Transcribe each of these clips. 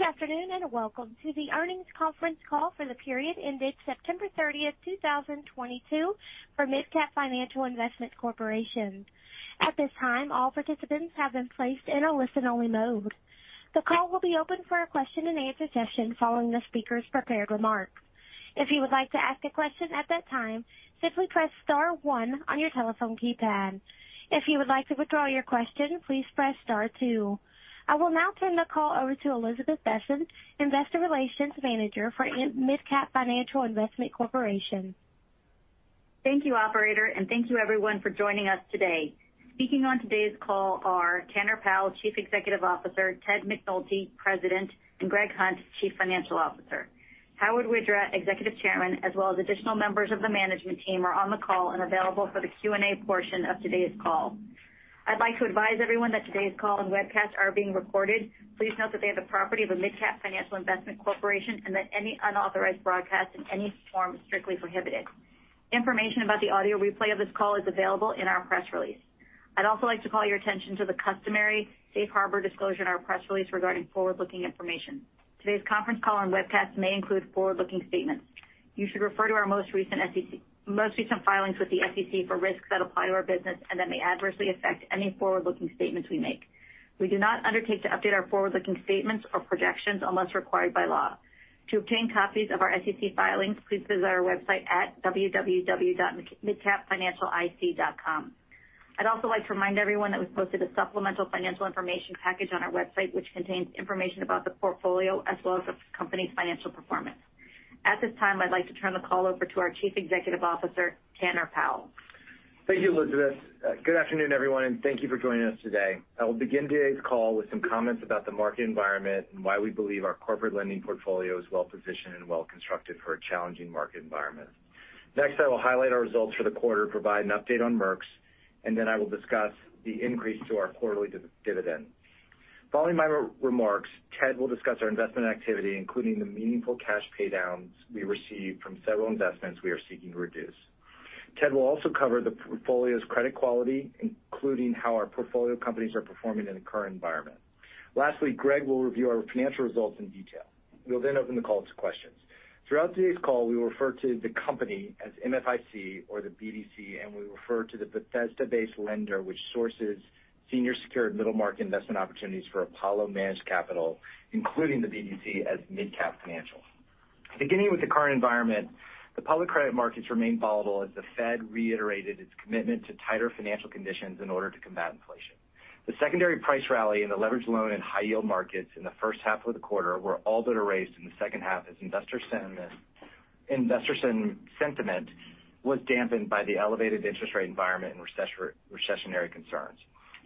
Good afternoon, and welcome to the earnings conference call for the period ended September thirtieth, two thousand twenty-two for MidCap Financial Investment Corporation. At this time, all participants have been placed in a listen-only mode. The call will be open for a question-and-answer session following the speaker's prepared remarks. If you would like to ask a question at that time, simply press star one on your telephone keypad. If you would like to withdraw your question, please press star two. I will now turn the call over to Elizabeth Besen, Investor Relations Manager for MidCap Financial Investment Corporation. Thank you, operator, and thank you everyone for joining us today. Speaking on today's call are Tanner Powell, Chief Executive Officer, Ted McNulty, President, and Greg Hunt, Chief Financial Officer. Howard Widra, Executive Chairman, as well as additional members of the management team are on the call and available for the Q&A portion of today's call. I'd like to advise everyone that today's call and webcast are being recorded. Please note that they are the property of a MidCap Financial Investment Corporation, and that any unauthorized broadcast in any form is strictly prohibited. Information about the audio replay of this call is available in our press release. I'd also like to call your attention to the customary safe harbor disclosure in our press release regarding forward-looking information. Today's conference call and webcast may include forward-looking statements. You should refer to our most recent filings with the SEC for risks that apply to our business and that may adversely affect any forward-looking statements we make. We do not undertake to update our forward-looking statements or projections unless required by law. To obtain copies of our SEC filings, please visit our website at www.midcapfinancialic.com. I'd also like to remind everyone that we posted a supplemental financial information package on our website, which contains information about the portfolio as well as the company's financial performance. At this time, I'd like to turn the call over to our Chief Executive Officer, Tanner Powell. Thank you, Elizabeth. Good afternoon, everyone, and thank you for joining us today. I will begin today's call with some comments about the market environment and why we believe our corporate lending portfolio is well-positioned and well-constructed for a challenging market environment. Next, I will highlight our results for the quarter, provide an update on Merx's, and then I will discuss the increase to our quarterly dividend. Following my remarks, Ted will discuss our investment activity, including the meaningful cash paydowns we received from several investments we are seeking to reduce. Ted will also cover the portfolio's credit quality, including how our portfolio companies are performing in the current environment. Lastly, Greg will review our financial results in detail. We'll then open the call to questions. Throughout today's call, we will refer to the company as MFIC or the BDC, and we refer to the Bethesda-based lender which sources senior secured middle-market investment opportunities for Apollo-managed capital, including the BDC as MidCap Financial. Beginning with the current environment, the public credit markets remain volatile as the Fed reiterated its commitment to tighter financial conditions in order to combat inflation. The secondary price rally in the leveraged loan and high yield markets in the first half of the quarter were all but erased in the second half as investor sentiment was dampened by the elevated interest rate environment and recessionary concerns.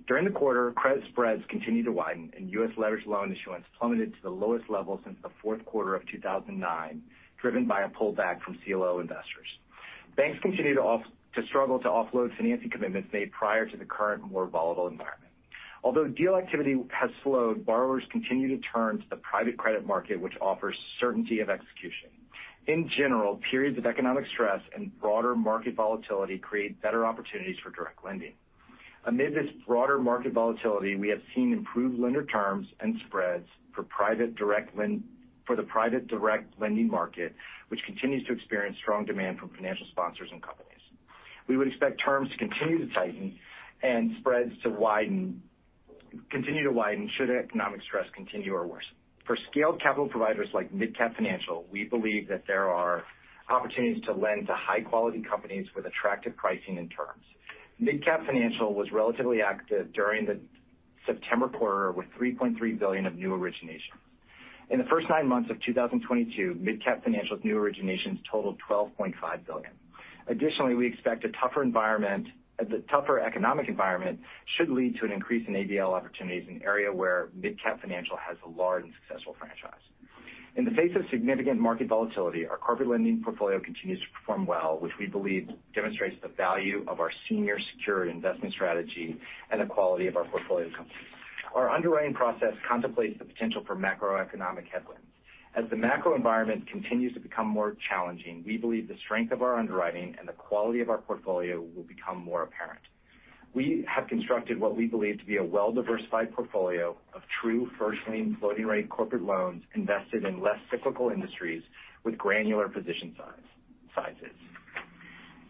During the quarter, credit spreads continued to widen and U.S. leveraged loan issuance plummeted to the lowest level since the fourth quarter of 2009, driven by a pullback from CLOinvestors. Banks continue to struggle to offload financing commitments made prior to the current, more volatile environment. Although deal activity has slowed, borrowers continue to turn to the private credit market, which offers certainty of execution. In general, periods of economic stress and broader market volatility create better opportunities for direct lending. Amid this broader market volatility, we have seen improved lender terms and spreads for the private direct lending market, which continues to experience strong demand from financial sponsors and companies. We would expect terms to continue to tighten and spreads to continue to widen should economic stress continue or worsen. For scaled capital providers like MidCap Financial, we believe that there are opportunities to lend to high quality companies with attractive pricing and terms. MidCap Financial was relatively active during the September quarter with $3.3 billion of new originations. In the first 9 months of 2022, MidCap Financial's new originations totaled $12.5 billion. Additionally, the tougher economic environment should lead to an increase in ABL opportunities in an area where MidCap Financial has a large and successful franchise. In the face of significant market volatility, our corporate lending portfolio continues to perform well, which we believe demonstrates the value of our senior secured investment strategy and the quality of our portfolio companies. Our underwriting process contemplates the potential for macroeconomic headwinds. As the macro environment continues to become more challenging, we believe the strength of our underwriting and the quality of our portfolio will become more apparent. We have constructed what we believe to be a well-diversified portfolio of true first lien floating rate corporate loans invested in less cyclical industries with granular position sizes.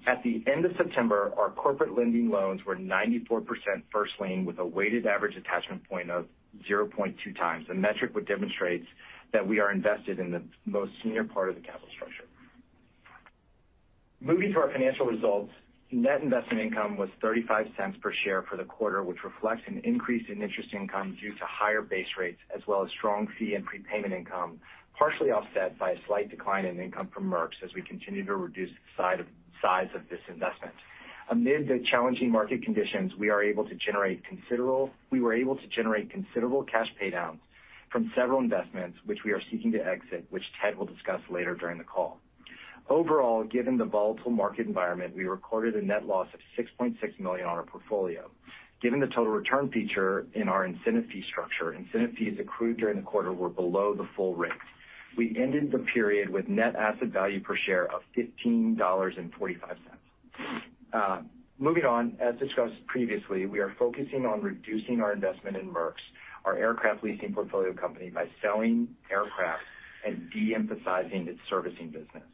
At the end of September, our corporate lending loans were 94% first lien, with a weighted average attachment point of 0.2x, a metric which demonstrates that we are invested in the most senior part of the capital structure. Moving to our financial results, net investment income was $0.35 per share for the quarter, which reflects an increase in interest income due to higher base rates as well as strong fee and prepayment income, partially offset by a slight decline in income from Merx's as we continue to reduce the size of this investment. Amid the challenging market conditions we were able to generate considerable cash paydowns from several investments which we are seeking to exit, which Ted will discuss later during the call. Overall, given the volatile market environment, we recorded a net loss of $6.6 million on our portfolio. Given the total return feature in our incentive fee structure, incentive fees accrued during the quarter were below the full rate. We ended the period with net asset value per share of $15.45. Moving on, as discussed previously, we are focusing on reducing our investment in Merx, our aircraft leasing portfolio company, by selling aircraft and de-emphasizing its servicing business.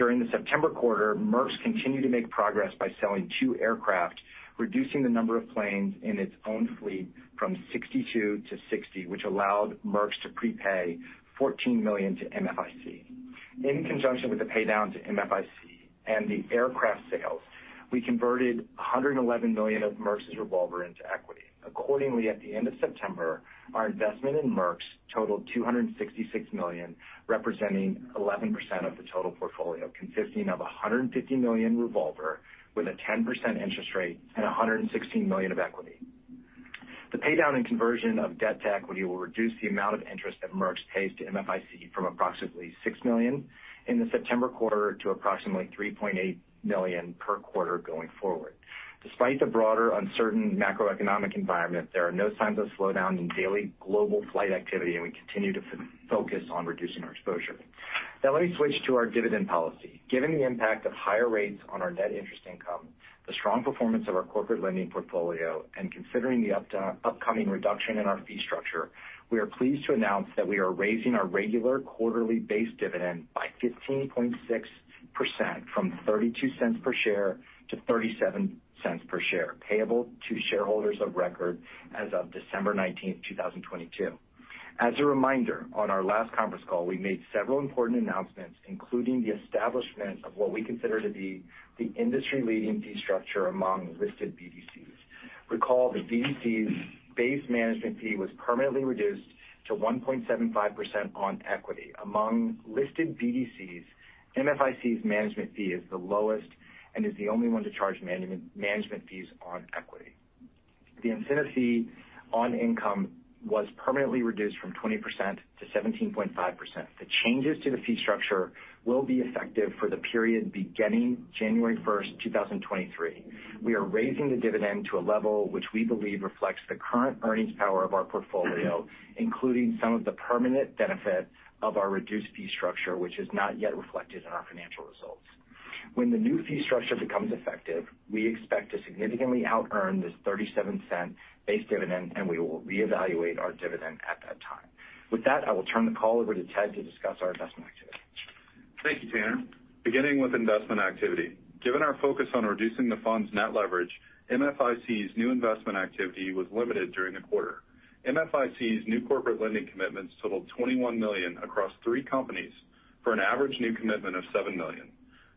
During the September quarter, Merx continued to make progress by selling 2 aircraft, reducing the number of planes in its own fleet from 62 to 60, which allowed Merx to prepay $14 million to MFIC. In conjunction with the pay down to MFIC and the aircraft sales, we converted $111 million of Merx's revolver into equity. Accordingly, at the end of September, our investment in Merx totaled $266 million, representing 11% of the total portfolio, consisting of a $150 million revolver with a 10% interest rate and a $116 million of equity. The pay down and conversion of debt to equity will reduce the amount of interest that Merx pays to MFIC from approximately $6 million in the September quarter to approximately $3.8 million per quarter going forward. Despite the broader uncertain macroeconomic environment, there are no signs of slowdown in daily global flight activity, and we continue to focus on reducing our exposure. Now let me switch to our dividend policy. Given the impact of higher rates on our net interest income, the strong performance of our corporate lending portfolio, and considering the upcoming reduction in our fee structure, we are pleased to announce that we are raising our regular quarterly base dividend by 15.6% from $0.32 per share to $0.37 per share, payable to shareholders of record as of December 19, 2022. As a reminder, on our last conference call, we made several important announcements, including the establishment of what we consider to be the industry-leading fee structure among listed BDCs. Recall that BDC's base management fee was permanently reduced to 1.75% on equity. Among listed BDCs, MFIC's management fee is the lowest and is the only one to charge management fees on equity. The incentive fee on income was permanently reduced from 20% to 17.5%. The changes to the fee structure will be effective for the period beginning January 1, 2023. We are raising the dividend to a level which we believe reflects the current earnings power of our portfolio, including some of the permanent benefit of our reduced fee structure, which is not yet reflected in our financial results. When the new fee structure becomes effective, we expect to significantly outearn this $0.37 base dividend, and we will reevaluate our dividend at that time. With that, I will turn the call over to Ted to discuss our investment activity. Thank you, Tanner. Beginning with investment activity. Given our focus on reducing the fund's net leverage, MFIC's new investment activity was limited during the quarter. MFIC's new corporate lending commitments totaled $21 million across 3 companies for an average new commitment of $7 million.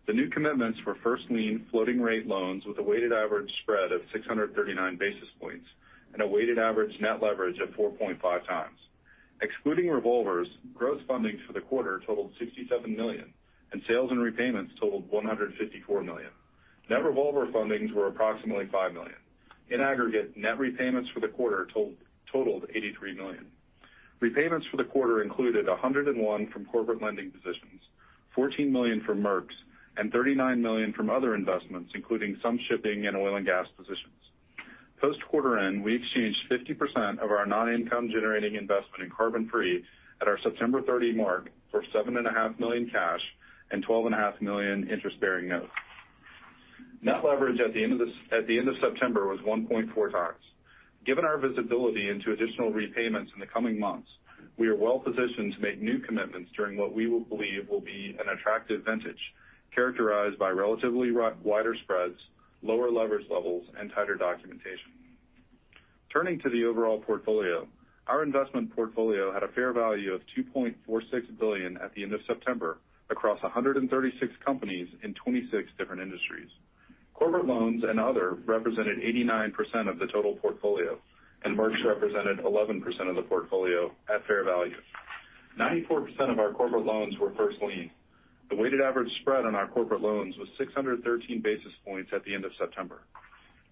The new commitments were first lien floating rate loans with a weighted average spread of 639 basis points and a weighted average net leverage of 4.5x. Excluding revolvers, gross fundings for the quarter totaled $67 million, and sales and repayments totaled $154 million. Net revolver fundings were approximately $5 million. In aggregate, net repayments for the quarter totaled $83 million. Repayments for the quarter included $101 million from corporate lending positions, $14 million from Merx, and $39 million from other investments, including some shipping and oil and gas positions. Post quarter end, we exchanged 50% of our non-income generating investment in CarbonFree at our September 30 mark for $7.5 million cash and $12.5 million interest-bearing notes. Net leverage at the end of September was 1.4 times. Given our visibility into additional repayments in the coming months, we are well positioned to make new commitments during what we will believe will be an attractive vintage, characterized by relatively wider spreads, lower leverage levels, and tighter documentation. Turning to the overall portfolio, our investment portfolio had a fair value of $2.46 billion at the end of September across 136 companies in 26 different industries. Corporate loans and other represented 89% of the total portfolio, and Merx represented 11% of the portfolio at fair value. 94% of our corporate loans were first lien. The weighted average spread on our corporate loans was 613 basis points at the end of September.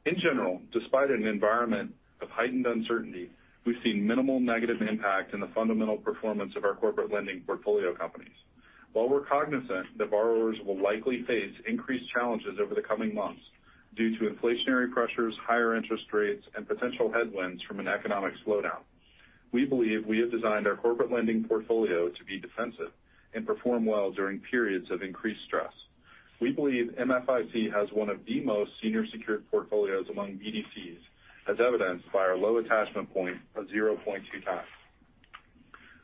In general, despite an environment of heightened uncertainty, we've seen minimal negative impact in the fundamental performance of our corporate lending portfolio companies. While we're cognizant that borrowers will likely face increased challenges over the coming months due to inflationary pressures, higher interest rates, and potential headwinds from an economic slowdown, we believe we have designed our corporate lending portfolio to be defensive and perform well during periods of increased stress. We believe MFIC has one of the most senior secured portfolios among BDCs, as evidenced by our low attachment point of 0.2x.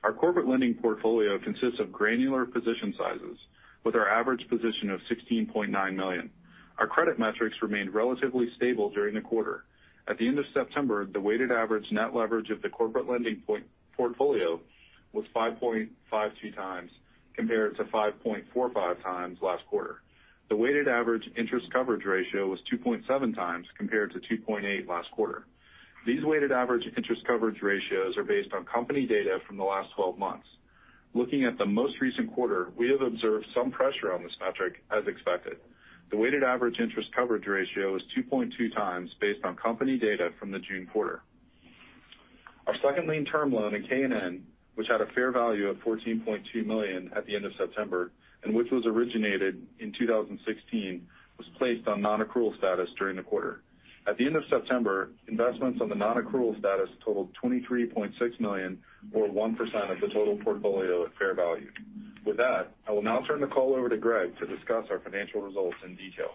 Our corporate lending portfolio consists of granular position sizes with our average position of $16.9 million. Our credit metrics remained relatively stable during the quarter. At the end of September, the weighted average net leverage of the corporate lending portfolio was 5.52 times compared to 5.45 times last quarter. The weighted average interest coverage ratio was 2.7 times compared to 2.8 last quarter. These weighted average interest coverage ratios are based on company data from the last twelve months. Looking at the most recent quarter, we have observed some pressure on this metric as expected. The weighted average interest coverage ratio was 2.2 times based on company data from the June quarter. Our second lien term loan at K&N, which had a fair value of $14.2 million at the end of September and which was originated in 2016, was placed on non-accrual status during the quarter. At the end of September, investments on the non-accrual status totaled $23.6 million or 1% of the total portfolio at fair value. With that, I will now turn the call over to Greg to discuss our financial results in detail.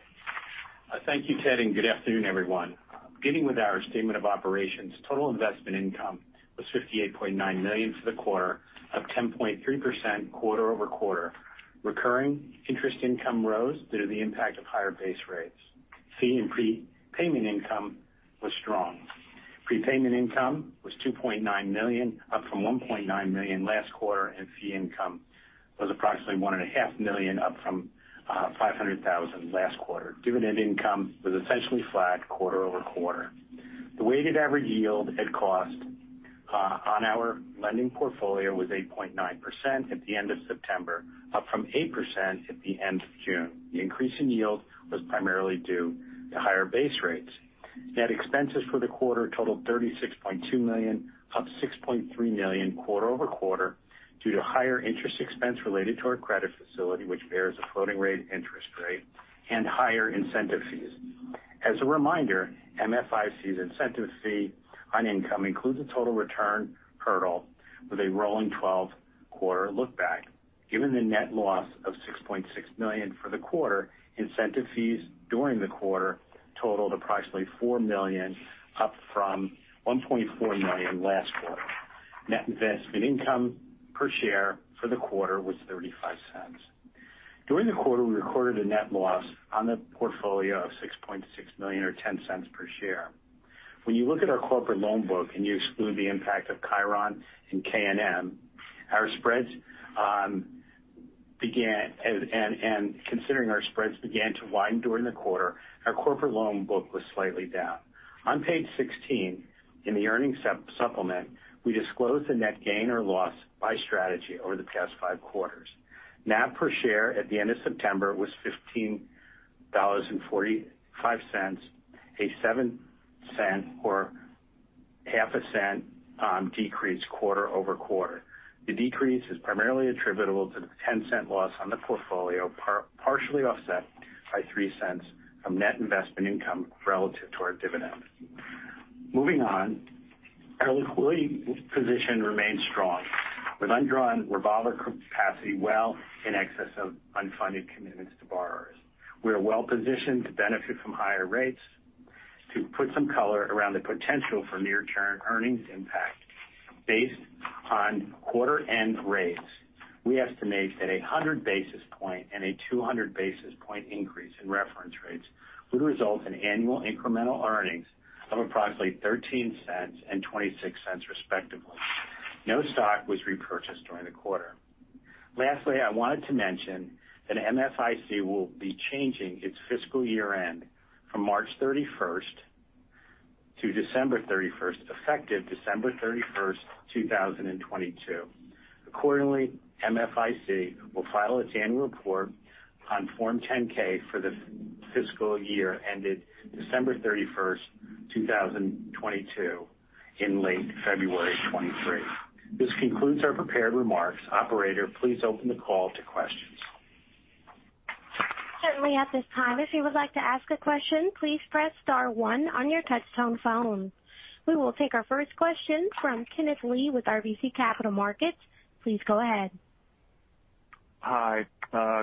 Thank you, Ted, and good afternoon, everyone. Beginning with our statement of operations, total investment income was $58.9 million for the quarter, up 10.3% quarter over quarter. Recurring interest income rose due to the impact of higher base rates. Fee and prepayment income was strong. Prepayment income was $2.9 million, up from $1.9 million last quarter, and fee income was approximately $1.5 million, up from $500,000 last quarter. Dividend income was essentially flat quarter-over-quarter. The weighted average yield at cost on our lending portfolio was 8.9% at the end of September, up from 8% at the end of June. The increase in yield was primarily due to higher base rates. Net expenses for the quarter totaled $36.2 million, up $6.3 million quarter-over-quarter due to higher interest expense related to our credit facility, which bears a floating rate interest rate and higher incentive fees. As a reminder, MFIC's incentive fee on income includes a total return hurdle with a rolling 12-quarter look-back. Given the net loss of $6.6 million for the quarter, incentive fees during the quarter totaled approximately $4 million, up from $1.4 million last quarter. Net investment income per share for the quarter was $0.35. During the quarter, we recorded a net loss on the portfolio of $6.6 million or $0.10 per share. When you look at our corporate loan book and you exclude the impact of ChyronHego and K&N, considering our spreads began to widen during the quarter, our corporate loan book was slightly down. On page 16 in the earnings supplement, we disclose the net gain or loss by strategy over the past five quarters. NAV per share at the end of September was $15.45, a 7-cent or half a cent decrease quarter-over-quarter. The decrease is primarily attributable to the 10-cent loss on the portfolio, partially offset by 3 cents from net investment income relative to our dividend. Moving on, our liquidity position remains strong, with undrawn revolver capacity well in excess of unfunded commitments to borrowers. We are well positioned to benefit from higher rates. To put some color around the potential for near-term earnings impact, based on quarter end rates, we estimate that a 100 basis point and a 200 basis point increase in reference rates would result in annual incremental earnings of approximately $0.13 and $0.26, respectively. No stock was repurchased during the quarter. Lastly, I wanted to mention that MFIC will be changing its fiscal year-end from March 31 to December 31, effective December 31, 2022. Accordingly, MFIC will file its annual report on Form 10-K for the fiscal year ended December 31, 2022 in late February of 2023. This concludes our prepared remarks. Operator, please open the call to questions. Certainly. At this time, if you would like to ask a question, please press star one on your touch-tone phone. We will take our first question from Kenneth Lee with RBC Capital Markets. Please go ahead. Hi.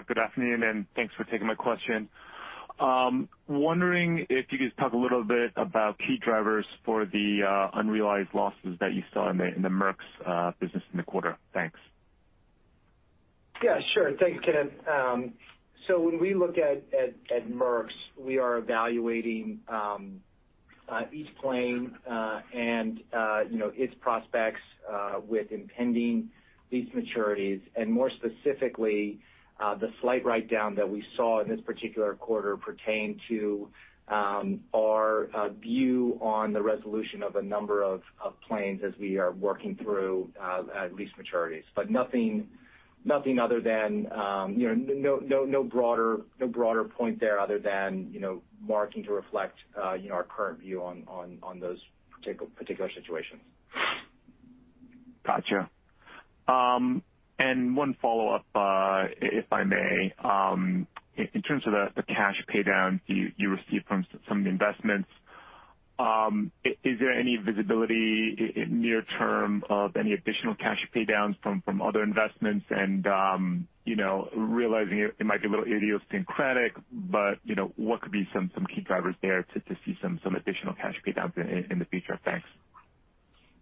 Good afternoon, and thanks for taking my question. Wondering if you could talk a little bit about key drivers for the unrealized losses that you saw in the Merx business in the quarter? Thanks. Yeah, sure. Thanks, Kenneth. When we look at Merx, we are evaluating each plane and you know, its prospects with impending lease maturities. More specifically, the slight write-down that we saw in this particular quarter pertained to our view on the resolution of a number of planes as we are working through lease maturities. Nothing other than you know, no broader point there other than you know, marking to reflect our current view on those particular situations. Gotcha. One follow-up, if I may. In terms of the cash paydowns you received from some of the investments, is there any visibility in near term of any additional cash paydowns from other investments? You know, realizing it might be a little idiosyncratic, but you know, what could be some key drivers there to see some additional cash paydowns in the future? Thanks.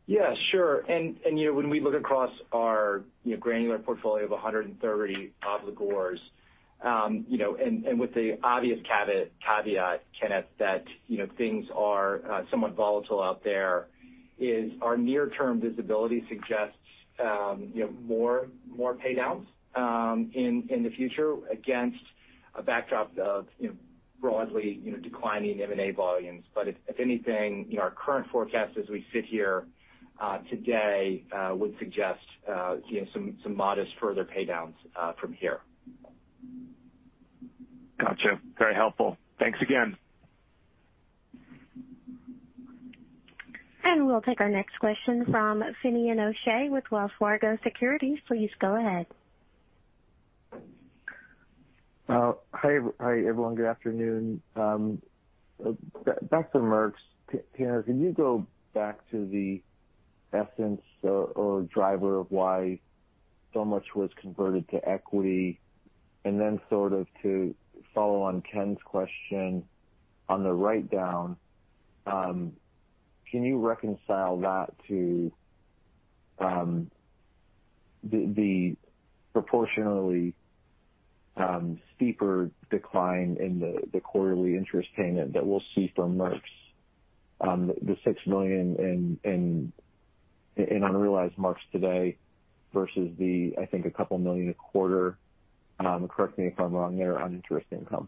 Yeah, sure. You know, when we look across our, you know, granular portfolio of 130 obligors, you know, and with the obvious caveat, Kenneth, that you know, things are somewhat volatile out there, as our near-term visibility suggests, you know, more paydowns in the future against a backdrop of, you know, broadly, you know, declining M&A volumes. If anything, you know, our current forecast as we sit here today would suggest, you know, some modest further paydowns from here. Gotcha. Very helpful. Thanks again. We'll take our next question from Finian O'Shea with Wells Fargo Securities. Please go ahead. Hi everyone. Good afternoon. Back to Merx. Tanner, can you go back to the essence or driver of why so much was converted to equity? Sort of to follow on Ken's question on the write-down, can you reconcile that to the proportionally steeper decline in the quarterly interest payment that we'll see from Merx, the $6 million in unrealized Merx today versus the, I think, a couple million a quarter, correct me if I'm wrong there, on interest income.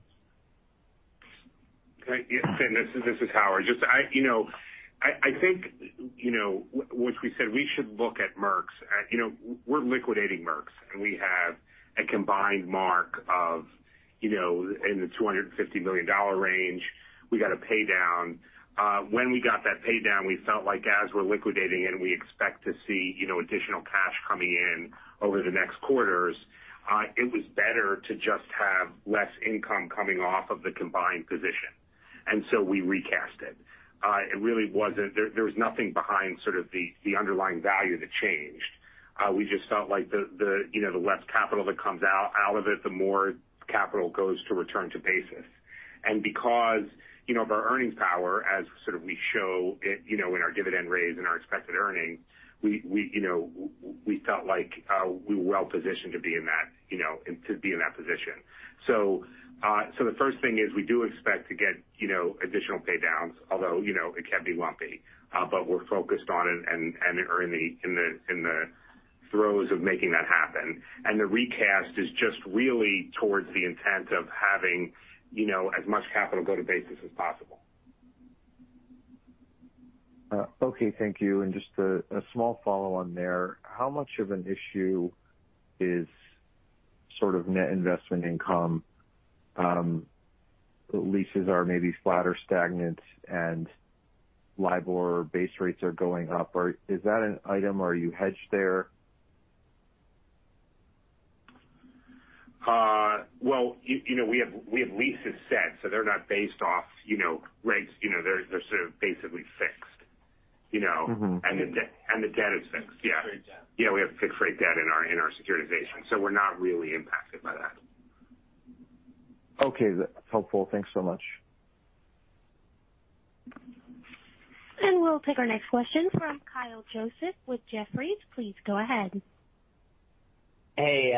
Great. Yeah. Finian, this is Howard Widra. You know, I think, you know, which we said we should look at Merx. You know, we're liquidating Merx, and we have a combined mark of, you know, in the $250 million range. We got a pay down. When we got that pay down, we felt like as we're liquidating and we expect to see, you know, additional cash coming in over the next quarters, it was better to just have less income coming off of the combined position. We recast it. It really wasn't. There was nothing behind sort of the underlying value that changed. We just felt like the, you know, the less capital that comes out of it, the more capital goes to return to basis. Because, you know, of our earnings power as sort of we show it, you know, in our dividend raise and our expected earnings, we, you know, we felt like we were well positioned to be in that, you know, to be in that position. The first thing is we do expect to get, you know, additional pay downs, although, you know, it can be lumpy. But we're focused on it and are in the throes of making that happen. The recast is just really towards the intent of having, you know, as much capital go to basis as possible. Okay. Thank you. Just a small follow on there. How much of an issue is sort of net investment income? Leases are maybe flat or stagnant and LIBOR base rates are going up, or is that an item or are you hedged there? Well, you know, we have leases set, so they're not based off, you know, rates. You know, they're sort of basically fixed, you know? Mm-hmm. The debt is fixed. Yeah. Fixed rate debt. Yeah, we have fixed rate debt in our securitization, so we're not really impacted by that. Okay. That's helpful. Thanks so much. We'll take our next question from Kyle Joseph with Jefferies. Please go ahead. Hey,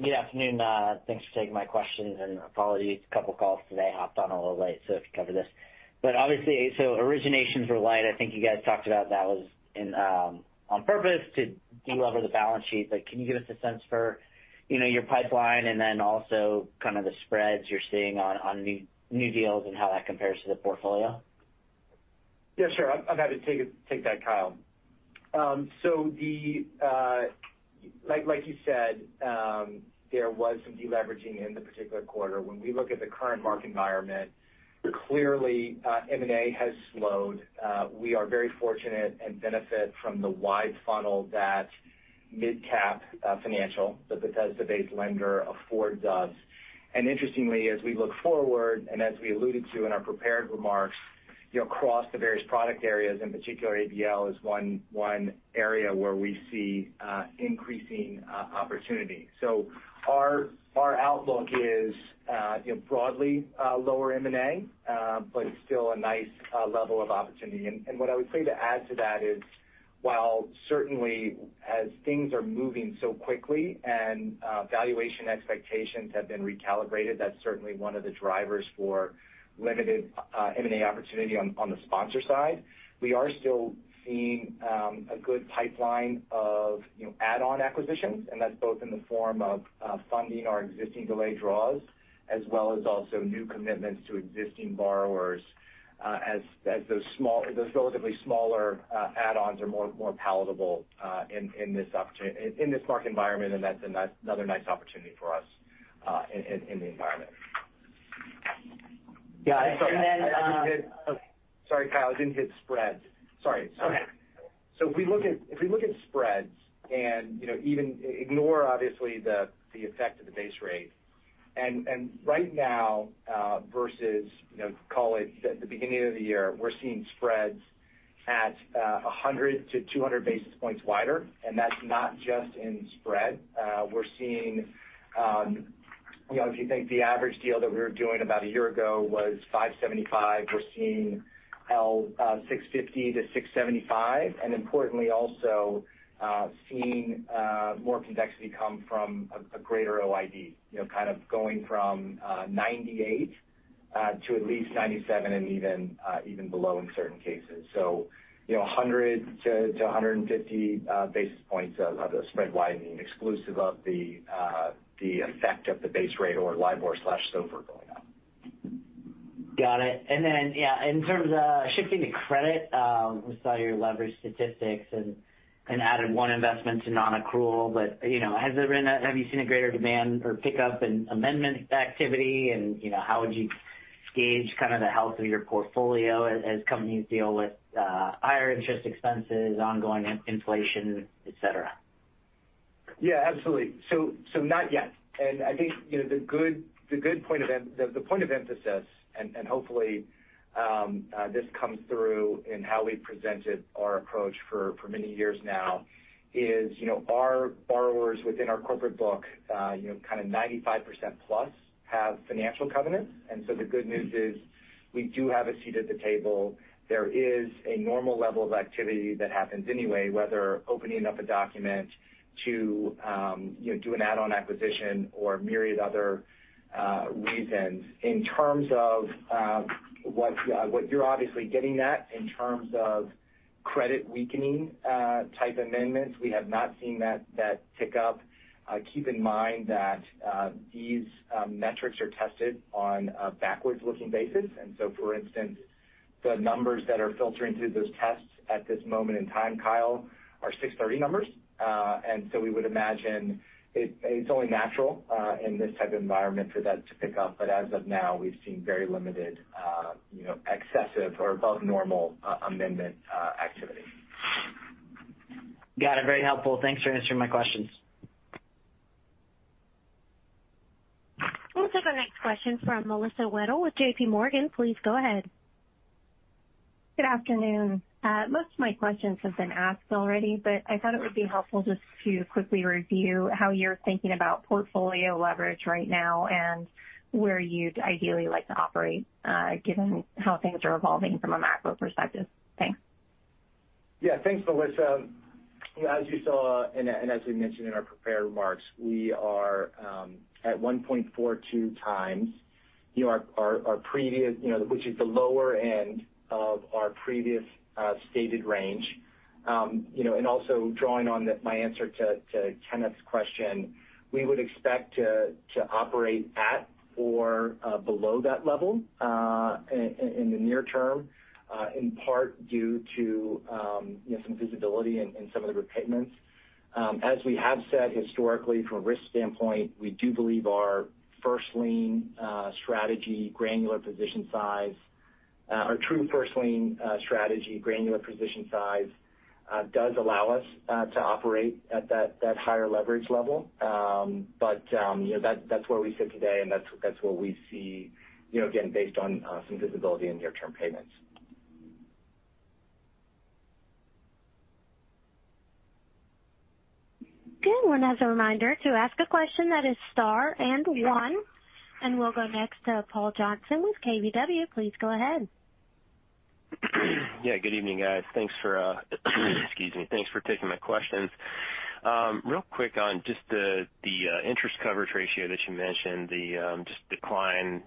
good afternoon. Thanks for taking my questions, and apologies. A couple calls today hopped on a little late, so if you cover this. Obviously, originations were light. I think you guys talked about that was in on purpose to de-lever the balance sheet. Can you give us a sense for, you know, your pipeline and then also kind of the spreads you're seeing on new deals and how that compares to the portfolio? Yeah, sure. I'm happy to take that, Kyle. Like you said, there was some de-leveraging in the particular quarter. When we look at the current market environment, clearly, M&A has slowed. We are very fortunate and benefit from the wide funnel that MidCap Financial, the Bethesda-based lender afford us. Interestingly, as we look forward and as we alluded to in our prepared remarks, you know, across the various product areas, in particular, ABL is one area where we see increasing opportunity. Our outlook is, you know, broadly, lower M&A, but still a nice level of opportunity. What I would say to add to that is, while certainly as things are moving so quickly and valuation expectations have been recalibrated, that's certainly one of the drivers for limited M&A opportunity on the sponsor side. We are still seeing a good pipeline of, you know, add-on acquisitions, and that's both in the form of funding our existing delayed draws as well as also new commitments to existing borrowers, as those relatively smaller add-ons are more palatable in the environment. Yeah. Sorry, Kyle. I didn't hit spreads. Sorry. Okay. If we look at spreads and, you know, even ignore obviously the effect of the base rate. Right now versus, you know, call it the beginning of the year, we're seeing spreads at 100-200 basis points wider. That's not just in spread. We're seeing, you know, if you think the average deal that we were doing about a year ago was 575, we're seeing 650-675. Importantly also seeing more convexity come from a greater OID, you know, kind of going from 98 to at least 97 and even below in certain cases. You know, 100 to 150 basis points of the spread widening exclusive of the effect of the base rate or LIBOR/SOFR going up. Got it. Then, yeah, in terms of shifting to credit, we saw your leverage statistics and added one investment to non-accrual. You know, have you seen a greater demand or pickup in amendment activity? You know, how would you gauge kind of the health of your portfolio as companies deal with higher interest expenses, ongoing inflation, et cetera? Yeah, absolutely. Not yet. I think, you know, the good point of emphasis and hopefully this comes through in how we presented our approach for many years now is, you know, our borrowers within our corporate book, you know, kinda 95% plus have financial covenants. The good news is we do have a seat at the table. There is a normal level of activity that happens anyway, whether opening up a document to, you know, do an add-on acquisition or myriad other reasons. In terms of what you're obviously getting at, in terms of credit weakening type amendments, we have not seen that tick up. Keep in mind that these metrics are tested on a backwards-looking basis. For instance, the numbers that are filtering through those tests at this moment in time, Kyle, are 6/30 numbers. We would imagine it's only natural, in this type of environment for that to pick up. As of now, we've seen very limited, you know, excessive or above normal amendment activity. Got it. Very helpful. Thanks for answering my questions. We'll take our next question from Melissa Wedel with J.P. Morgan. Please go ahead. Good afternoon. Most of my questions have been asked already, but I thought it would be helpful just to quickly review how you're thinking about portfolio leverage right now and where you'd ideally like to operate, given how things are evolving from a macro perspective. Thanks. Yeah. Thanks, Melissa. As you saw and as we mentioned in our prepared remarks, we are at 1.42 times, you know, our previous, you know, which is the lower end of our previous stated range. You know, and also drawing on my answer to Kenneth's question, we would expect to operate at or below that level in the near term, in part due to, you know, some visibility in some of the repayments. As we have said historically from a risk standpoint, we do believe our first lien strategy, granular position size, our true first lien strategy, granular position size does allow us to operate at that higher leverage level. You know, that's where we sit today, and that's where we see, you know, again, based on some visibility in near-term payments. Good. Once, as a reminder, to ask a question, press star one, and we'll go next to Paul Johnson with KBW. Please go ahead. Yeah, good evening, guys. Thanks for taking my questions. Real quick on just the interest coverage ratio that you mentioned, just decline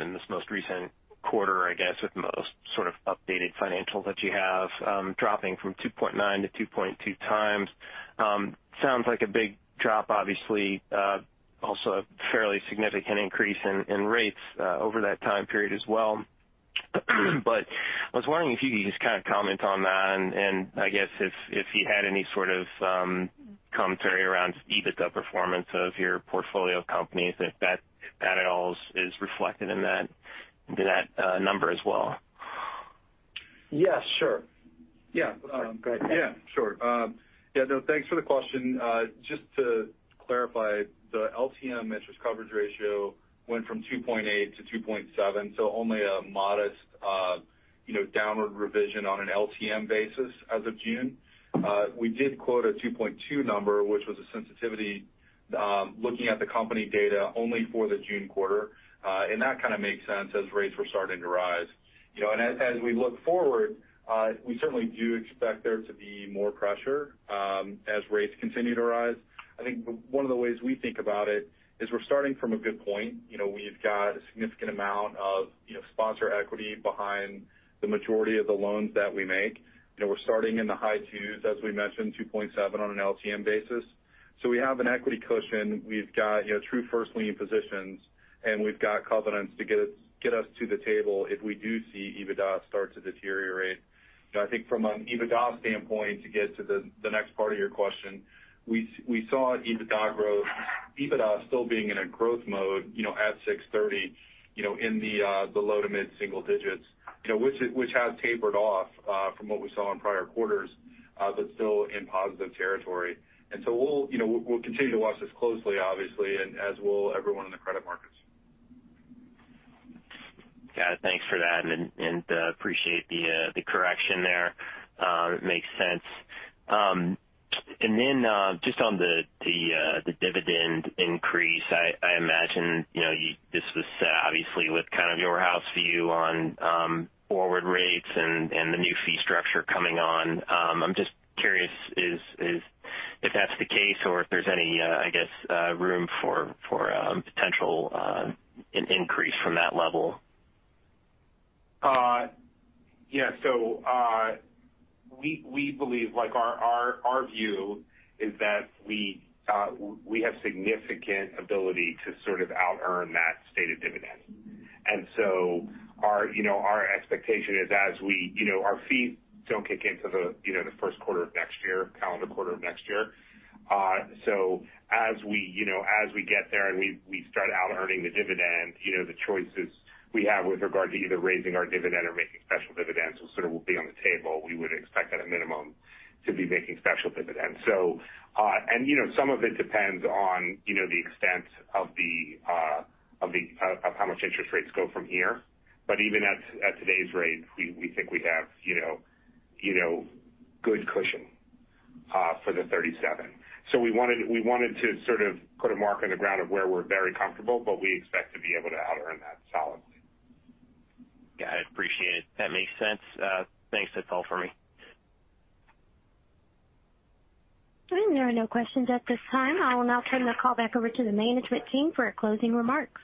in this most recent quarter, I guess, with most sort of updated financials that you have, dropping from 2.9 to 2.2 times. Sounds like a big drop, obviously, also a fairly significant increase in rates over that time period as well. I was wondering if you could just kind of comment on that and I guess if you had any sort of commentary around EBITDA performance of your portfolio companies, if that at all is reflected in that number as well. Yeah, sure. Yeah. Go ahead. Yeah, sure. Yeah, no, thanks for the question. Just to clarify, the LTM interest coverage ratio went from 2.8 to 2.7, so only a modest, you know, downward revision on an LTM basis as of June. We did quote a 2.2 number, which was a sensitivity, looking at the company data only for the June quarter. That kinda makes sense as rates were starting to rise. You know, as we look forward, we certainly do expect there to be more pressure, as rates continue to rise. I think one of the ways we think about it is we're starting from a good point. You know, we've got a significant amount of, you know, sponsor equity behind the majority of the loans that we make. You know, we're starting in the high 2s, as we mentioned, 2.7 on an LTM basis. So we have an equity cushion. We've got, you know, true first lien positions, and we've got covenants to get us to the table if we do see EBITDA start to deteriorate. You know, I think from an EBITDA standpoint, to get to the next part of your question, we saw EBITDA growth, EBITDA still being in a growth mode, you know, at 6/30, you know, in the low- to mid-single digits%, which has tapered off from what we saw in prior quarters, but still in positive territory. We'll, you know, we'll continue to watch this closely, obviously, and as will everyone in the credit markets. Got it. Thanks for that and appreciate the correction there. It makes sense. Just on the dividend increase, I imagine, you know, this was obviously with kind of your house view on forward rates and the new fee structure coming on. I'm just curious if that's the case or if there's any, I guess, room for potential increase from that level. Yeah. We believe, like our view is that we have significant ability to sort of outearn that stated dividend. Our expectation is as we, you know, our fees don't kick in till the, you know, the first quarter of next year, calendar quarter of next year. As we, you know, as we get there and we start out earning the dividend, you know, the choices we have with regard to either raising our dividend or making special dividends will sort of be on the table. We would expect at a minimum to be making special dividends. Some of it depends on, you know, the extent of how much interest rates go from here. Even at today's rate, we think we have, you know, good cushion for the 37. We wanted to sort of put a mark on the ground of where we're very comfortable, but we expect to be able to outearn that solidly. Yeah, I appreciate it. That makes sense. Thanks. That's all for me. There are no questions at this time. I will now turn the call back over to the management team for our closing remarks.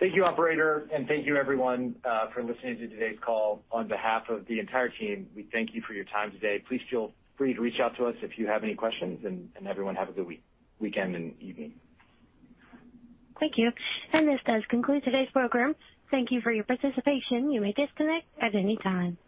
Thank you, operator, and thank you everyone, for listening to today's call. On behalf of the entire team, we thank you for your time today. Please feel free to reach out to us if you have any questions, and everyone, have a good week, weekend and evening. Thank you. This does conclude today's program. Thank you for your participation. You may disconnect at any time.